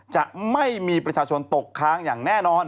จะไม่มีประชาชนตกค้างอย่างแน่นอน